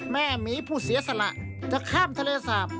หมีผู้เสียสละจะข้ามทะเลสาป